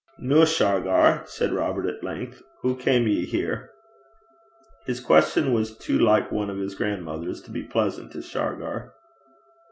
'Noo, Shargar,' said Robert at length, 'hoo cam ye here?' His question was too like one of his grandmother's to be pleasant to Shargar.